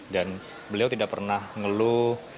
dan beliau tidak pernah ngeluh